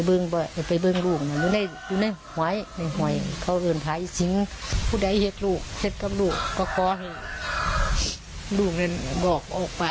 บ่ไดถือกรับดาค่ะไปเบิ้ลค่ะไปเบิ้ลไปเบิ้ลลูกเนอะ